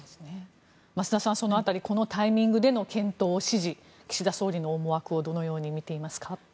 増田さんその辺りこのタイミングでの検討を指示岸田総理の思惑をどのように見ていますか？